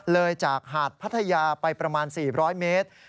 เลยจากหาดพัทยาไปประมาณ๔๐๐เมตร